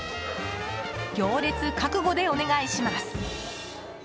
行列覚悟でお願いします。